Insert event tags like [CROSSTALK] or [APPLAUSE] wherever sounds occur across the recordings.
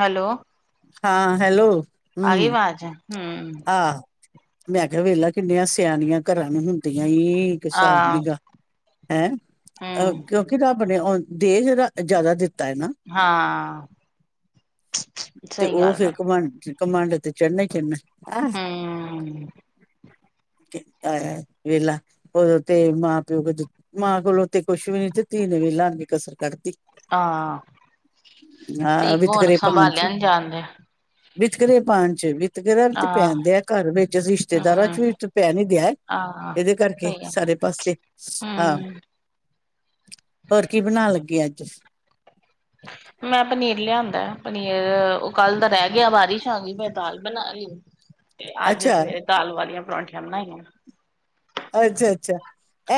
Hello. ਹਾਂ, hello. ਆ ਗਈ ਹੂੰ ਵਾਜ ਹੂੰ। ਆਹ ਮੈਂ ਕਿਹਾ ਵੇਲਾ ਕਿੰਨੀਆਂ ਸਿਆਣੀਆਂ ਘਰਾਂ ਨੂੰ ਹੁੰਦੀਆਂ ਈ। ਹਿਸਾਬ ਨੀ ਗਾ ਐ ਕਿਉਂਕਿ ਰੱਬ ਨੇ ਦੇ ਜਿੜਾ ਜ਼ਿਆਦਾ ਦਿੱਤਾ। ਤ ਨਾ ਹਾਂ, ਤੇ ਸਹੀ ਉਹ ਗੱਲ ਆ, ਫਿਰ ਘਮੰਡ ਚ। ਘਮੜ ਤੇ ਚੜ੍ਹਨਾ ਹੀ ਚੜ੍ਹਨਾ ਹਾ ਆ। ਹੂੰ। ਕੀਤਾ ਅ ਵੇਲਾ। ਉਦੋ ਤੇ ਮਾਂ ਪਿਓ, ਮਾਂ ਕੋਲੋਂ ਤੇ ਕੁਛ ਵੀ ਨੀ ਧੀ ਨੇ ਵੀਹ ਲਾ ਕਸਰ ਕੱਢਦੀ। ਹਾਂ ਅ। ਹਹ ਵਿਤਕਰੇ ਪਾਣ ਚ, ਸੰਭਾਲਿਆ ਨੀ ਜਾਣ ਡਿਆ, ਵਿਤਕਰੇ ਪਾਣ ਚ, ਵਿਤਕਰਾ। ਆਹ, ਪੈਣਦੇ ਆ ਘਰ ਵਿੱਚ, ਰਿਸ਼ਤੇਦਾਰਾਂ ਹੂੰ, ਚ ਵੀ ਪੈਣ ਆ ਡਿਆ। ਆਹ। ਇਹਦੇ ਕਰਕੇ ਸਹੀ ਆ, ਸਾਰੇ ਪਾਸੇ ਸ ਹਾਂ। ਹੂੰ। ਹੋਰ ਕੀ ਬਣਾਣ ਲੱਗੀ ਅੱਜ ਸ। ਮੈਂ ਪਨੀਰ ਲਿਆਂਦਾ। ਪਨੀਰ ਉਹ ਕੱਲ ਦਾ ਰਹਿ ਗਿਆ ਬਾਰਸ਼ ਆਗੀ ਫੇਰ ਮੈਂ ਦਾਲ ਬਣਾ ਲੀ। ਤੇ ਅੱਜ ਅੱਛਾ, ਸਵੇਰੇ ਦਾਲ ਵਾਲੀਆਂ ਪਰੌਂਠੀਆਂ ਬਣਾਈਆਂ ਨੇ। ਅੱਛਾ-ਅੱਛਾ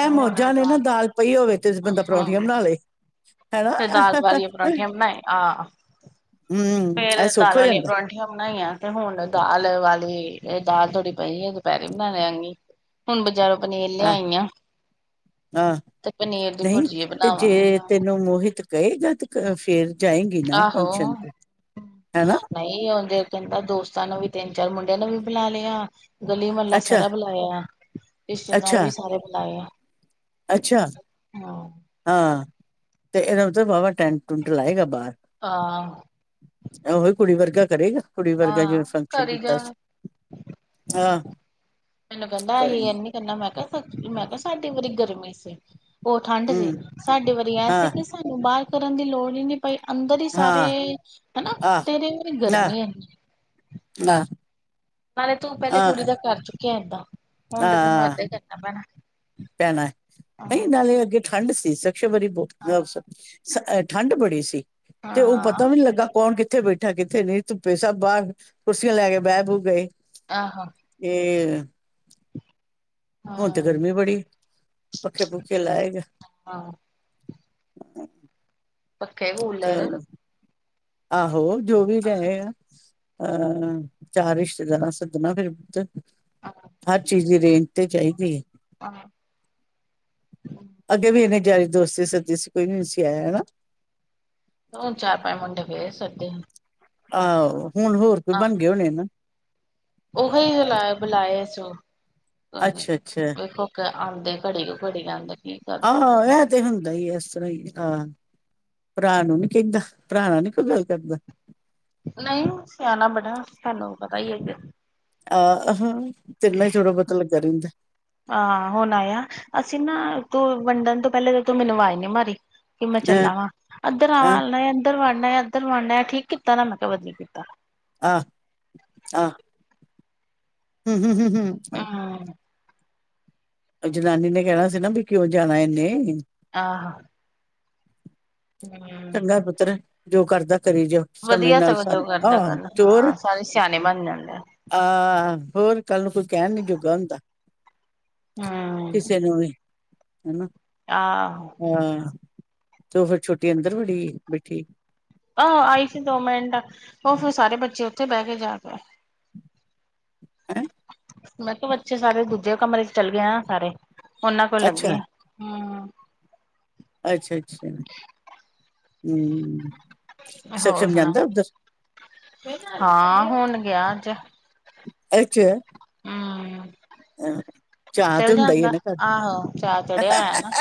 ਤੇ ਇਹ ਹੁਣ ਮੌਜਾਂ ਨੇ ਨਾ ਦਾਲ ਪਈ ਹੋਵੇ ਤੇ ਬੰਦਾ ਪਰੌਂਠੀਆਂ ਹਾਂ, ਬਣਾ ਲਏ। ਹੈਨਾ। ਤੇ ਦਾਲ ਵਾਲੀਆਂ ਪਰੌਂਠੀਆਂ ਬਣਾਏ, ਆਹ। ਹੂੰ, ਫੇਰ ਇਹ ਸੁੱਖ ਦਾਲ ਹੋ ਵਾਲੇ ਜਾਂਦਾ। ਪਰੌਂਠੇ। ਬਣਾਈਆਂ ਤੇ ਹੁਣ ਦਾਲ ਵਾਲੀ ਦਾਲ ਥੋੜੀ ਪਈ ਸੀ ਦੁਪਹਿਰੀ ਬਣਾ ਲਿਆਂਗੀ। ਹੁਣ ਬਜ਼ਾਰੋਂ ਪਨੀਰ ਹਾਂ, ਲਿਆਈ ਆ ਹਾਂ ਤੇ ਪਨੀਰ ਦੀ ਭੁੁਰਜੀਏ ਬਣਾਵਾਂਗੇ ਨੂੰ ਮੋਹਿਤ ਕਹੇਗਾ ਤੇ ਫੇਰ ਜਾਏਗੀ ਨਾ ਫੰਕਸ਼ਨ ਤੇ ਹੈਨਾ ਨਈ ਉਹਦੇ ਕਹਿੰਦਾ ਦੋਸਤਾਂ ਨੂੰ ਵੀ ਤਿੰਨ -ਚਾਰ ਮੁੰਡਿਆਂ ਨੇ ਵੀ ਬੁਲਾ ਲਿਆ ਗਲੀ ਮਹਲਾ ਅੱਛਾ, ਸਾਰਾ ਬੁਲਾਇਆ, ਰਿਸ਼ਤੇਦਾਰ ਵੀ ਅੱਛਾ, ਸਾਰੇ ਬੁਲਾਏ ਆ। ਅੱਛਾ। ਹਾਂ। ਹਾਂ ਤੇ ਇਹਦਾ ਮਤਲਬ ਵਾਹਵਾ ਟੈਂਟ ਟੂਟ ਲਾਏਗਾ ਬਾਹਰ ਆ। ਉਹੀ ਕੁੜੀ ਵਰਗਾ ਕਰੇਗਾ, ਕੁੜੀ ਵਰਗਾ ਆਹ ਜਿਵੇਂ ਫੰਕਸ਼ਨ ਕਰੀ ਕੀਤਾ ਜਾਵੇ। ਸੀ। ਹਾਂ। ਮੈਨੂੰ ਕਹਿੰਦਾ ਅਸੀ ਇਹਨੀ ਕਹਿੰਦਾ ਮੈਂ ਕਿਹਾ ਮੈਂ ਕਿਹਾ ਸਾਡੀ ਵਾਰੀ ਗਰਮੀ ਸੀ ਉਹ ਠੰਢ ਸੀ, ਹੂੰ, ਸਾਡੇ ਵਾਰੀ ਇਹ ਸੀ ਹਾਂ, ਕਿ ਸਾਨੂੰ ਬਾਹਰ ਕਰਨ ਦੀ ਲੋੜ ਹੀ ਨੀ। ਪਈ, ਅੰਦਰ ਹੀ ਸਾਰੇ ਹਾਂ, ਹਨਾ ਤੇਰੇ ਅੰਦਰ ਗਰਮੀ ਐ। ਨਾ ਨਾਲੇ ਤੂੰ ਪਹਿਲੇ ਕੁੜੀ ਦਾ ਕਰ ਚੁੱਕਿਆ ਏਦਾਂ, ਹੁਣ ਤਾਂ ਤੈਨੂੰ ਏਦਾਂ ਹੀ ਕਰਨਾ ਪੈਣਾ। ਪੈਣਾ, ਨਹੀਂ ਹਾਂ ਨਾਲੇ ਅੱਗੇ ਠੰਢ ਸੀ ਸਕਸ਼ਮ ਬਹੁਤ ਹਾਂ ਸ। ਸ ਹ ਠੰਢ ਬੜੀ ਸੀ ਤੇ ਉਹ ਪਤਾ ਹਾਂ ਵੀ ਨੀ ਲੱਗਾ ਕੌਣ ਕਿੱਥੇ ਬੈਠੇ। ਹੇਠਾਂ ਕਿੱਥੇ ਨਹੀਂ ਧੁੱਪੇ ਸਭ ਬਾਹਰ ਕੁਰਸੀਆਂ ਲੈ ਕੇ ਬਹਿ ਬੂ ਗਏ। ਆਹੋ। ਫੇਰ। ਹੁਣ ਤੇ ਹਾਂ ਗਰਮੀ ਬੜੀ, ਪੱਖੇ ਪੁੱਖੇ ਲਾਏਂਗਾ। ਹਾਂ। ਪੱਖੇ, ਕੂਲਰ। ਚਲ ਆਹੋ ਜੋ ਵੀ ਲਏਗਾ। ਅਹ ਚਾਰ ਰਿਸ਼ਤੇਦਾਰਾਂ ਸੱਦਣਾ ਫਿਰ ਪੁ ਹਰ ਚੀਜ਼ ਦੀ ਰੇਂਜ ਤੇ ਚਾਹੀਦੀ ਏ। ਹਾਂ। ਅੱਗੇ ਵੀ ਇੰਨੇ ਯਾਰੀ ਦੋਸਤੀ ਸੱਦੀ ਸੀ ਕੋਈ ਵੀ ਨਈ ਸੀ ਆਇਆ ਹੈਨਾ ਹੁਣ ਚਾਰ ਪੰਜ ਮੁੰਡੇ ਗਏ ਸਾਡੇ ਆਹੋ ਹੁਣ ਹੋਰ ਕੋ ਬਣ ਗਏ ਹੋਣੇ ਨਾ ਉਹੀ ਬੁਲਾਏ ਸੀ ਹੁਣ, ਅੱਛਾ ਅੱਛਾ ਵੇਖੋ ਆਂਦੇ ਘੜੀ ਕੁ, ਘੜੀ ਆਂਦੇ ਆਹੋ ਐ ਤੇ ਹੁੰਦਾ ਇਸ ਤਰ੍ਹਾਂ ਹੀ ਆਹ, ਭਰਾ ਨੂੰ ਨੀ ਕੀਤਾ ਭਰਾਣਾ ਨੀ ਕੋਈ ਗੱਲ ਕਰਦਾ ਨਹੀਂ ਸਿਆਣਾ ਬੜਾ, ਸਾਨੂੰ ਪਤਾ ਹੀ ਹੈ ਆਹਹ ਤਿੰਨਾ ਥੋੜਾ ਬਹੁਤ ਲੱਗਾ ਰਹਿੰਦਾ ਆਂ ਹੁਣ ਆਯੇ ਨਾ ਅਸੀਂ ਨਾ, ਤੂੰ ਵੰਡਣ ਤੋਂ ਪਹਿਲੇ ਤੂੰ ਮੈਨੂੰ ਆਵਾਜ਼ ਨੀ ਮਾਰੀ ਕਿ ਮੈਂ ਹੈਂ ਚੱਲਲਾ ਵਾਂ, ਇੱਧਰ ਹੈਂ ਆਵ ਇੱਧਰ ਵਣਨਾ ਇੱਧਰ ਵੰਨਾ ਠੀਕ ਕੀਤਾ ਨਾ, ਮੈਂ ਕਿਹਾ ਵਦੀਆ ਕੀਤਾ ਆਹ ਆਹ ਹੂ ਹੂ ਹੂ ਹੂ ਹਾ ਜਨਾਨੀ ਨੇ ਕਹਿਣਾ ਸੀ ਨਾ, ਵੀ ਕਿਉਂ ਜਾਣਾ ਇਹਨੇ ਆਹ ਹੋ ਚੰਗਾ ਪੁੱਤਰ, ਜੋ ਕਰਦਾ ਕਰੀ ਜਾਓ ਸਮੇਂ ਵਧੀਆ ਨਾਲ ਸਗੋਂ ਸ ਜੋ ਕਰਦਾ ਆਹ ਗੱਲ ਚੋਰ ਹਾਂ ਸਾਰੇ ਸਿਆਣੇ ਬਣ ਜਾਂਦੇ ਆਹ ਹੋਰ ਕੱਲ ਨੂੰ ਕੋਈ ਕਹਿਣ ਨੀ ਜੋੁਗਾ ਹੁੰਦਾ ਹਮ ਕਿਸੇ ਨੂੰ ਵੀ, ਹੈਨਾ ਆਹੋ ਹਾਂ ਤੇ ਉਹ ਫਿਰ ਛੋਟੀ ਅੰਦਰ ਵੜੀ, ਬੈਠੀ ਆਹੋ ਆਈ ਸੀ ਦੋ ਮਿੰਟ, ਉਹ ਫਿਰ ਸਾਰੇ ਬੱਚੇ ਉੱਥੇ ਬਹਿ ਕੇ ਜਾ ਕੇ ਹੈਂ। ਮੈਂ ਕਿਹਾ ਬੱਚੇ ਸਾਰੇ ਦੂਜੇ ਕਮਰੇ ਚ ਚਲੇ ਗਏ ਨਾ ਸਾਰੇ, ਉਹਨਾਂ ਕੋਲ ਲੱਗੇ ਅੱਛਾ ਆ ਹਮ ਅੱਛਾ-ਅੱਛਾ ਹੂ ਹੋਰ ਸਸ਼ਮ ਸੁਣਾ ਜਾਂਦਾ ਉੱਧਰ ਹਾਂ ਹੁਣ ਗਿਆ ਅੱਛਾ। ਹੂ ਚਾਅ ਤੇ ਚਲ ਹੁੰਦਾ ਹੀ ਹੈ ਜਾਂਦਾ, ਨਾ ਘਰ ਆਹੋ ਚਾਰ ਚੜਿਆ ਹੋਇਆ ਨਾ।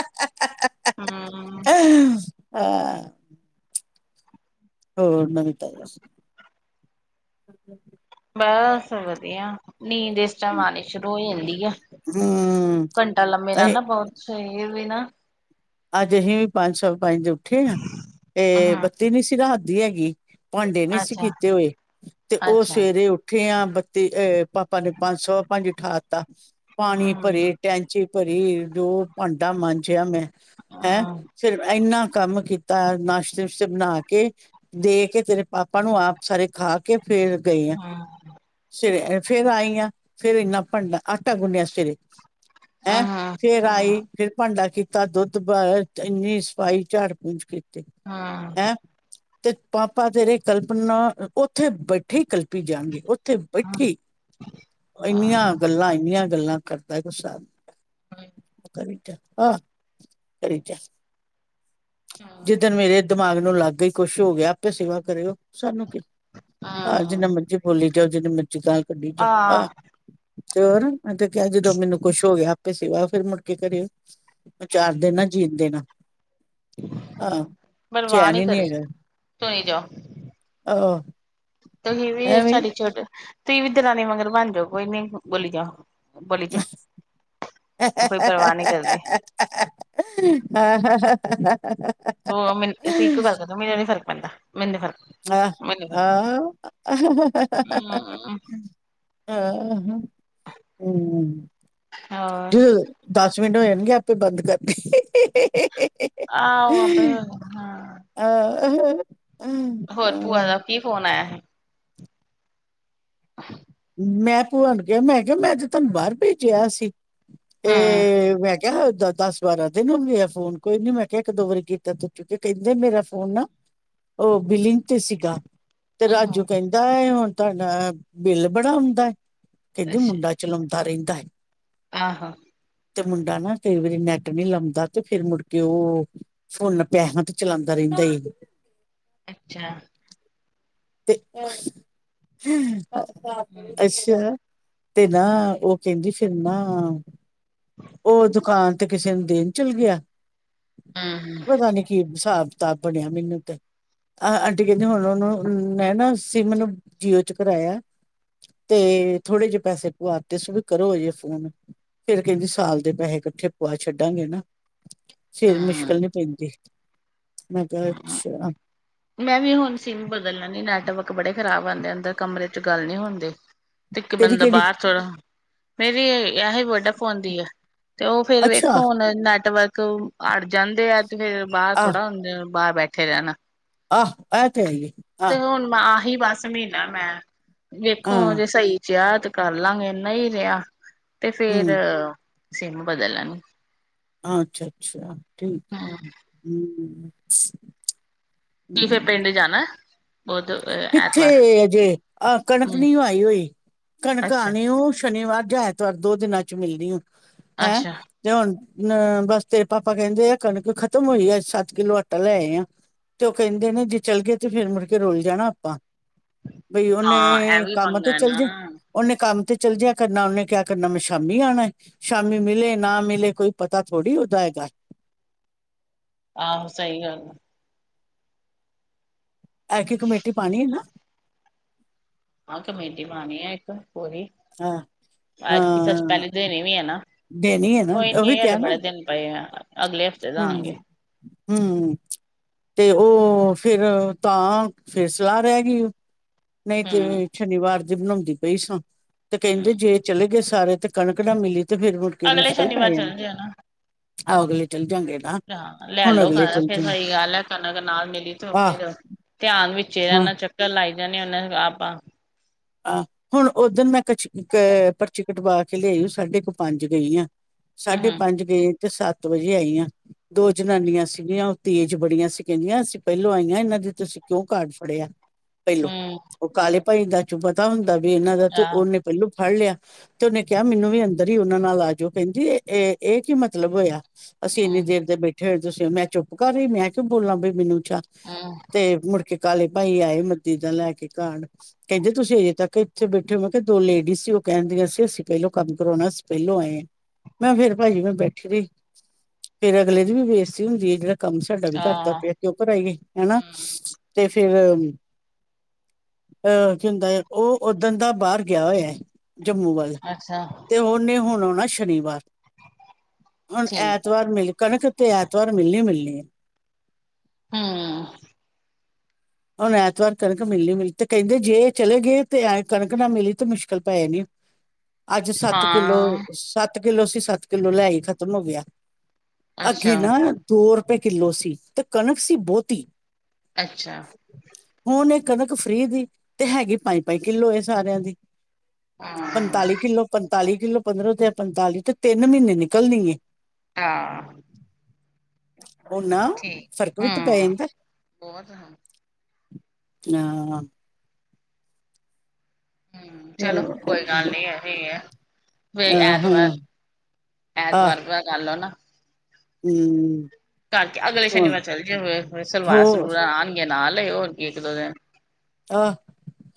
ਹਾਂ। [INAUDIBLE] ਹਾਂ। ਹੋਰ ਨਵੀ ਤਾਜ਼ੀ ਦਸੋ ਬਸ ਵਧੀਆ ਨੀਂਦ ਇਸ ਟਾਈਮ ਆਉਣੀ ਸ਼ੁਰੂ ਹੋ ਜਾਂਦੀ ਆ। ਹੂੰ ਘੰਟਾ ਲੰਮੇ ਨਾ ਅਹੀ ਨਾ ਪਓ, ਸਰੀਰ ਵੀ ਨਾ ਅੱਜ ਅਸੀਂ ਵੀ ਪੰਜ, ਸਵਾ ਪੰਜ ਉੱਠੇ ਆ, ਇਹ ਹੂੰ ਬੱਤੀ ਨੀ ਸੀ ਰਾਤ ਦੀ ਹੈਗੀ ਭਾਂਡੇ ਨਹੀਂ ਸੀ ਅੱਛਾ ਕੀਤੇ ਹੋਏ, ਤੇ ਉਹ ਅੱਛਾ ਸਵੇਰੇ ਉੱਠ ਉਠੇ ਆ ਬੱਤੀ ਅਹ ਪਾਪਾ ਨੇ ਪੰਜ ਸੌ ਪੰਜ ਉਠਾ ਤਾ ਪਾਣੀ ਹੂੰ ਹੂੰ ਭਰੇ ਟੈਂਚੀ ਭਰੀ, ਜੋ ਭਾਂਡਾ ਮਾਂਜਿਆ ਮੈਂ, ਹੈਂ ਹੂੰ ਫਿਰ ਇੰਨਾ ਕੰਮ ਕੀਤਾ ਐ, ਨਾਸ਼ਤੇ ਨੁਸ਼ਤੇ ਬਣਾ ਕੇ ਦੇ ਕੇ ਤੇਰੇ ਪਾਪਾ ਨੂੰ, ਆਪ ਸਾਰੇ ਖਾ ਕੇ, ਫੇਰ ਗਈ ਆ, ਹੂੰ ਫਿਰ ਆਈਆਂ ਫਿਰ ਇੰਨਾ ਭੰਡ ਆਟਾ ਗੁੰਨਿਆ ਸਵੇਰੇ ਹੂੰ ਹੈਂ, ਫੇਰ ਹੂੰ ਆਈ ਫੇਰ ਭਾਂਡਾ ਕੀਤਾ ਤਾਂ, ਦੁੱਧ ਉਬਾਲੇਯਾ ਇੰਨੀ ਸਫਾਈ ਝਾੜ ਪੂੰਜ ਕੀਤੀ ਹੂੰ ਹੈਂ ਤੇ ਪਾਪਾ ਤੇਰੇ ਕਲਪਨਾ, ਉੱਥੇ ਬੈਠੇ ਹੀ ਕਲਪੀ ਜਾਣਗੇੇ ਉਥੇ ਬੈਠੀ ਇੰਨੀਆਂ ਹੂੰ ਗੱਲਾਂ ਇੰਨੀਆਂ ਗੱਲਾਂ ਕਰਦਾ ਐ, ਕੁਛ ਹਿਸਾਬ ਕਰੀ ਜਾ, ਆਹ ਕਰੀ ਜਾ ਜਿੱਦਣ ਮੇਰੇ ਦਿਮਾਗ ਨੂੰ ਲਗ ਗਈ, ਕੁਛ ਹੋ ਗਿਆ ਆਪੇ ਸੇਵਾ ਕਰੇਗਾ ਸਾਨੂੰ ਕੀ। ਆਹ ਜਿੰਨਾ ਹੂੰ ਮਰਜ਼ੀ ਬੋਲੀ ਜਾਓ, ਜਿੰਨਾ ਮਰਜ਼ੀ ਗ ਕੱਢੀ ਜਾਓ ਆਹ ਹਾਂ ਤੇ ਹੋਰ, ਮੈਂ ਤੇ ਕਿਹਾ ਜਦੋਂ ਮੈਨੂੰ ਕੁਛ ਹੋ ਗਿਆ ਆਪੇ ਸੇਵਾ ਫਿਰ ਮੁੜਕੇ ਕਰੇ ਓ। ਔ ਚਾਰ ਦਿਨ ਨਾ ਜੀਣ ਦੇਣਾ ਆਹ ਪਰਵਾਹ ਚੈਨ ਨੀ ਹੀ ਨਹੀ ਕਰੀ ਹੈਗਾ ਤੁਰੀ ਜਾਓ ਆਹ। ਤੁਸੀਂ ਵੀ ਐਵੇਂ ਸਾਡੀ ਛੱਡ, ਤੁਸੀਂ ਵੀ ਦਰਾਣੀ ਮਗਰ ਬਣ ਜਾਓ ਕੋਈ ਨੀ ਬੋਲੀ ਜਾ। ਬੋਲੀ ਜਾ, ਕੋਈ ਪਰਵਾਹ ਨਹੀਂ ਕਰਦੀ। ਹਾਂ ਹ। ਦੋ ਮਨੂੰ ਇੱਕ ਗ ਕਰ ਮੈਨੂੰ ਨੀ ਫਰਕ ਪੈਂਦਾ, ਮੈਨੂੰ ਫ਼ਰਕ। ਆਹ ਮੈਨੂੰ ਆਂ। ਹਮ ਆਹ, ਹਮ। ਹਾਂ। ਦਸ ਮਿੰਟ ਹੋ ਜਾਣਗੇ, ਆਪੇ ਬੰਦ ਕਰਦੀ। ਆਹੋ, ਆਪਣੇ ਹਾਂ। ਆਹਮ। ਹੋਰ ਭੂਆ ਦਾ ਕੀ ਫੋਨ ਆਇਆ ਸੀ? [INAUDIBLE] ਮੈਂ ਭੂਆ ਨੂੰ ਕਿਹਾ ਮੈਂ ਕਿਹਾ ਮੈਂ ਅੱਜ ਤੁਹਾਨੂੰ ਬਾਹਰ ਭੇਜਿਆ ਸੀ, ਹਮ ਤੇ ਮੈਂ ਕਿਹਾ ਦਸ -ਬਾਰਾਂ ਦਿਨ ਹੋ ਗਿਆ, ਫੋਨ ਕੋਈ ਨੀ ਮੈਂ ਕਿਹਾ ਇੱਕ- ਦੋ ਵਾਰੀ ਕੀਤਾ ਤੂੰ ਚੁੱਕ, ਕਹਿੰਦੇ ਮੇਰਾ ਫੋਨ ਨਾ ਉਹ ਬਿਲੀਨ ਤੇ ਸੀਗਾ। ਤੇ ਆਹੋ ਰਾਜੂ ਕਹਿੰਦਾ ਹੁਣ ਤੁਹਾਡਾ ਬਿੱਲ ਬੜਾ ਆਉਂਦਾ, ਕਹਿੰਦੀ ਮੁੰਡਾ ਚਲਾਉਂਦਾ ਰਹਿੰਦਾ ਹੈ। ਆਹ ਹਾਂ। ਤੇ ਮੁੰਡਾ ਨਾ ਕਈ ਵਾਰੀ ਨੈੱਟ ਨੀ ਲਾਉਂਦਾ ਤੇ ਫਿਰ ਮੁੜਕੇ ਉਹ ਫੋਨ ਪੈਸਿਆਂ ਤੇ ਚਲਾਉਂਦਾ ਰਹਿੰਦਾ। ਅੱਛਾ। ਤੇ, ਹਮ ਅੱਛਾ। ਤੇ ਨਾ, ਉਹ ਕਹਿੰਦੀ ਫਿਰ ਨਾ ਉਹ ਦੁਕਾਨ ਤੇ ਕਿਸੇ ਨੂੰ ਦੇਣ ਚੱਲ ਗਿਆ, ਹਮ ਪਤਾ ਨੀ ਕੀ ਹਿਸਾਬ ਕਿਤਾਬ ਬਣਿਆ ਮੈਨੂੰ ਤੇ, ਆਹ ਆਂਟੀ ਕਹਿੰਦੀ ਹੁਣ ਉਹਨੂੰ ਮੈਂ ਨਾ ਸਿਮ ਨੂੰ ਜੀਓ 'ਚ ਕਰਾਇਆ। ਤੇ ਥੋੜੇ ਜਿਹੇ ਪੈਸੇ ਪਵਾਤੇ ਸੀ ਵੀ ਕਰੋ ਹਜੇ ਫੋਨ। ਫਿਰ ਕਹਿੰਦੀ ਸਾਲ ਦੇ ਪੈਸੇ ਇਕੱਠੇ ਪਵਾ ਛੱਡਾਂਗੇ ਨਾ। ਫਿਰ ਹਮ ਮੁਸ਼ਕਿਲ ਨਹੀਂ ਪੈਂਦੀ, ਮੈਂ ਕਿਹਾ ਅੱਛਾ। ਮੈਂ ਵੀ ਹੁਣ ਸਿਮ ਬਦਲ ਲੈਂਣੀ ਨੈਟਵਰਕ ਬੜੇ ਖ਼ਰਾਬ ਆਉਦੇ, ਅੰਦਰ ਕਮਰੇ 'ਚ ਗੱਲ ਨਹੀਂ ਹੁੰਦੀ। ਤੇ ਇੱਕ ਤੇਰੀ ਬੰਦਾ ਕਿਹੜੀ ਬਾਹਰ ਥੋੜ੍ਹਾ, ਮੇਰੀ ਇਹੀ ਵੋਡਾ ਫੋਨ ਦੀ ਹੈ। ਤੇ ਉਹ ਫੇਰ ਵੇਖੋ ਅੱਛਾ ਹੁਣ ਨੈਟਵਰਕ ਅੜ ਜਾਂਦੇ ਆ ਤੇ ਫੇਰ ਬਾਹਰ ਆਹ ਥੋੜਾ ਹੁਣ ਬਾਹਰ ਬੈਠੇ ਰਹਿਣਾ। ਆਹ, ਐ ਤੇ ਹੈਈਏ। ਤੇ ਹੁਣ ਆਹੀ ਬਸ ਮਹੀਨਾ ਮੈਂ, ਵੇਖੋ ਹਾਂ ਜੇ ਸਹੀ ਯਾਦ ਰਿਹ ਕਰ ਲਵਾਂਗੇ ਇੰਨਾ ਹੀ ਰਿਹਾ ਤੇ ਫੇਰ ਹਮ ਅਸੀਂ ਇਹਨੂੰ ਬਦਲਾਂਣੀ। ਅੱਛਾ, ਅੱਛਾ ਠੀਕ ਹੂੰ ਹਮ। ਕੀ ਫੇਰ ਹਮ। ਪਿੰਡ ਜਾਣਾ? ਬੁੱਧ ਐਤਵਾਰ ਕਿੱਥੇ ਅਜੇ, ਆਹ ਕਣਕ ਹੂੰ ਨਹੀਂ ਆਈ ਹੋਈ, ਕਣਕ ਅੱਛਾ ਆਉਣੀ ਉਹ। ਸ਼ਨੀਵਾਰ ਜਾਂ ਐਤਵਾਰ ਦੋ ਦਿਨਾਂ 'ਚ ਮਿਲਦੀ ਹੋ, ਹੈਂ। ਅੱਛਾ ਤੇ ਹੁਣ ਅ ਬਸ ਤੇਰੇ ਪਾਪਾ ਕਹਿੰਦੇ ਆ ਕਣਕ ਖਤਮ ਹੋਈ ਆ ਸੱਤ ਕਿੱਲੋ ਆਟਾ ਲੈ ਆਏ ਆਂ। ਤੇ ਉਹ ਕਹਿੰਦੇ ਨੇ ਜੇ ਚੱਲ ਗਏ ਤੇ ਫਿਰ ਮੁੜਕੇ ਰੁਲ ਜਾਣਾ ਆਪਾਂ। ਬਈ ਹਾਂ ਇਹ ਉਹਨੇ, ਵੀ ਕੰਮ ਤੇ ਪੰਗਾ ਚੱਲ ਜੇ ਨਾ ਉਹਨੇ ਕੰਮ ਤੇ ਚਲ ਜਿਆ ਕਰਨਾ ਉਹਨੇ ਕਿਆ ਕਰਨਾ ਮੈਂ ਸ਼ਾਮੀ ਆਉਣਾ। ਸ਼ਾਮੀ ਮਿਲੇ ਨਾ ਮਿਲੇ ਕੋਈ ਪਤਾ ਥੋੜ੍ਹੀ ਉਹਦਾ ਹੈਗਾ। ਆਹੋ ਸਹੀ ਗੱਲ ਆ। ਐਤਕੀ ਕਮੇਟੀ ਪਾਉਣੀ ਹੈ ਨਾ? ਹਾਂ ਕਮੇਟੀ ਪਾਂਉਣੀ ਆ ਇੱਕ, ਪੂਰੀ। ਹਾਂ। ਐਤਕੀ ਸੱਚ ਹਾਂ ਪਹਿਲੇ ਦੇਣੀ ਵੀ ਹੈ ਨਾ ਦੇਣੀ ਹੈ ਨਾ, ਕੋਈ ਉਹੀ ਨੀ ਹਲੇ ਕਿਹਾ ਨਾ। ਬੜੇ ਦਿਨ ਪਏ ਆ ਅਗਲੇ ਹਫ਼ਤੇ ਹੂੰ, ਦਾਂਗੇ ਹੂੰ। ਤੇ ਓ ਫੇਰ ਤਾਂ ਫੇਰ ਸਲਾਹ ਰੈ ਗੀ। ਨਈ ਹਮ ਤੇ ਛਨੀਵਾਰ ਦੀ ਬਣਾਉਂਦੀ ਪਈ ਸਾਂ, ਤੇ ਕੈਂਦੇ ਹਮ ਜੇ ਚੱਲੇ ਗਏ ਸਾਰੇ ਤੇ ਕਣਕ ਨਾ ਮਿਲੀ ਤੇ ਫੇਰ ਮੁੜਕੇ ਅਗਲੇ ਮੁਸ਼ਕਿਲ ਪੈ ਸ਼ਨੀਵਾਰ ਜਾਨੀ, ਚੱਲ ਜਿਓ ਨਾ ਅਗਲੇ ਚੱਲ ਜਾਂਗੇ। ਨਾ ਹਾਂ, ਲੈ ਹੁਣ ਲੋ ਅਗਲੇ ਕਣਕ ਚੱਲ ਫਿਰ ਜਾਂਗੇ ਸਈ ਗਾੱਲ ਐ ਕਨਕ ਨਾਲ ਮਿਲੀ ਤੋ ਆਹ ਫਿਰ ਧਿਆਨ ਵਿੱ ਚੇਰਾਂ ਹਾਂ ਨਾਲ ਚੱਕਰ ਲਾਈਦਾ ਨੀ ਓਨੂ ਕੈ ਆਪ ਆ ਆ, ਹੁਣ ਓਦਨ ਮੈਂ ਕਛ ਕ, ਪਰਚੀ ਕਟਵਾ ਕੇ ਲਿਆਈ ਊ ਸਾਡੇ ਕ ਪੰਜ ਗਈ ਆਂ। ਸਾਡੇ ਹਮ ਪਾੰਜ ਗਈ ਤੇ ਸਾੱਤ ਵਜੇ ਆਈ ਆਂ, ਦੋ ਜਨਾਨੀਆਂ ਸੀਗੀਆਂ। ਤੇਜ ਬੜੀਆਂ ਸੀ ਕੈਦੀਆਂ ਅਸੀਂ ਪੈਲੋਂ ਆਈਆਂ ਏਨਾਂ ਦੀ ਤੁਸੀਂ ਕੇਉਂ ਕਾਰਡ ਫੜੇਆ ਪੈਲੋਂ ਹਮ ਓ ਕਾਲੇ ਭਾਈ ਦਾ ਚੋ ਪਤਾ ਹੁੰਦਾ ਵੀ ਏਨਾਂ ਦਾ ਤੋ ਆਹ ਓਨੇ ਪੈਲੋਂ ਫਾੜ ਲੇਆ। ਤੇ ਓਨੇ ਕੇਹਾ ਮੈਨੂੰ ਵੀ ਅੰਦਰ ਈ ਓਨਾਂ ਨਾਲ ਆਜੇਓ ਕੈਂਦੀ ਏ, ਏ ਏਕੀ ਮਤਲਬ ਹੋਏਆ। ਅਸੀਂ ਐਨੀ ਹਮ ਦੇਰ ਦੇ ਬੈਠੇ ਹੋਏ ਤੁਸੀ, ਮੈਂ ਚੁੱਪ ਕਾਰ ਗੀ ਮੈਂ ਕੇਓ ਬੋਲਾਂ ਬਈ ਮੈਨੂੰ ਚਾ ਆ ਤੇ ਮੁੜਕੇ ਕਾਲੇ ਭਾਈ ਆਏ ਮੱਦੀ ਦਾ ਲੈ ਕੇ ਕਾੜ ਕੈਂਦੇ ਤੁਸੀਂ ਹਜੇ ਤੱਕ ਏੱਥੇ ਬੈਠੇ ਓ, ਮਕੇਆ ਦੋ ਲੇੜੀਜ ਸੀ ਓ ਕੈਂਦੀਆਂ ਸੀ ਅਸੀਂ ਪੈਲੋਂ ਕੰਮ ਕਰਾਓਨਾ ਅਸੀਂ ਪੈਲੋਂ ਆਏ ਆਂ। ਮੈਂ ਫੇਰ ਭਾਜੀ ਕੋਲ ਬੈਠੀ ਰਈ, ਫੇਰ ਅਗਲੇ ਦੀ ਵੀ ਬੇਸਤੀ ਹੁੰਦੀ ਐ ਜੇੜਾ ਕਾੰਮ ਸ ਸਾਡਾ ਵੀ ਕਰਦਾ ਆਹ ਪੇਆ ਕੇਓਂ ਕਰਈਏ ਹਨਾ, ਹਮ ਤੇ ਫੇਰ ਰ ਅ ਕੀ ਹੁੰਦੈ ਅ ਓਦਣ ਦਾ ਬਾਰ ਗੇਆ ਹੋਏਐ ਜੰਮੂ ਵੱਲ ਅੱਛਾ। ਤੇ ਓਨੇ ਹੋਣ ਆਉਣਾ ਸ਼ਨੀਵਾਰ, ਹੁਣ ਠੀਕ ਹੈ ਐਤਵਾਰ ਮਿਲ ਕਣਕ ਤੇ ਐਤਵਾਰ ਮਿਲਨੀ-ਮਿਲਨੀ ਏ। ਹੂੰ। ਹੋਣ ਐਤਵਾਰ ਕਣਕ ਮਿਲਨੀ-ਮਿਲਨੀ ਤੇ ਕੈਂਦੇ ਜੇ ਚਲੇ ਗਏ ਤੇ ਐ ਕਣਕ ਨਾ ਮਿਲੀ ਤੇ ਮੁਸ਼ਕਿਲ ਪੈ ਜਨੀਏ। [INAUDIBLE] ਆੱਜ ਸਾੱਤ ਕਿੱਲੋ, ਹਾਂ ਸਾੱਤ ਕਿੱਲੋ ਅਸੀ ਸਾੱਤ ਕਿੱਲੋ ਲੈਆਈ ਖਤਮ ਹੋ ਗੇਆ। ਅੱਛਾ ਅੱਗੇ ਨਾ ਦੋ ਰਪੇ ਕਿੱਲੋ ਸੀ, ਤੇ ਕਣਕ ਸੀ ਬੋਹਤੀ। ਅੱਛਾ। ਹੁਨ ਏ ਕਨਕ ਫ੍ਰੀ ਦੀ, ਤੇ ਹੈਗੀ ਪੰਜ-ਪੰਜ ਕਿੱਲੋ ਸਾਰੇਆਂ ਦੀ। ਹਾਂ ਪੰਤਾਲੀ਼ ਕਿੱਲੋ, ਪੰਤਾਲੀ਼ ਕਿੱਲੋ ਪੰਦਰਾਂ ਤੇ ਏ ਪੰਤਾਲੀ ਤੇ ਤੇਨ ਮ੍ਹੀਨੇ ਨਿਕਲਨੀ ਏ। ਆ ਓਨਾਂ ਠੀਕ ਫ਼ਰਕ ਵਿੱਚ ਪੈ ਹੂੰ ਜਾਂਦੈ [INAUDIBLE] ਯਾ ਹੂੰ, ਚਲੋ ਨਾ ਕੋਈ ਫ਼ਰਕ ਵੀ ਗਾੱਲ ਤੇ ਨੀ ਐਹੀ ਐ ਪੈ ਵੀ ਜਾਂਦਾ ਹਾਂ। ਅਹ ਹਾਂ ਐਤਵਾਰ ਐਤਵਾਰ ਦਾ ਕਾਰਲੋ ਨਾ। ਹੂੰ। ਕਾਰਕੇ ਅਗਲੇ ਸ਼ਨੀਵਾਰ ਚੱਲ ਜੇਓ ਫੇਰ, ਹੁਣੇ ਹੋਰ ਸਲਵਾਰਾਂ-ਸਲਵੂਰਾਂ ਆਨਗੀਆਂ ਨਾ ਲਏ ਓ ਹੋਰ ਕਿ ਏਕ ਦੋ ਦੇਨ ਆ,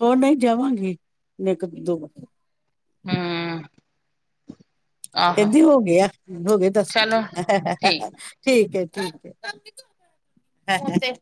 ਓ ਨਈ ਜਾਵਾਂਗੀ ਮੇਕਪ ਦੋ ਬੰਦੇ ਹੂੰ ਆਹੋ ਕਂਦੀ ਹੋ ਗੇਯਾ, ਹੋ ਗੇ ਦੱਸ ਚਲੋ ਠੀਕ ਠੀਕ ਏ, ਠੀਕ ਏ।